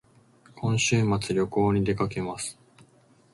今週末旅行に出かけます